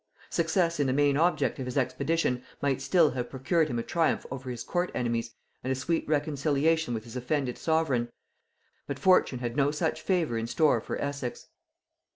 Success in the main object of his expedition might still have procured him a triumph over his court enemies and a sweet reconciliation with his offended sovereign, but fortune had no such favor in store for Essex.